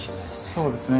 そうですね。